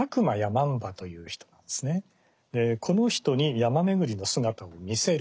この人に山廻りの姿を見せる。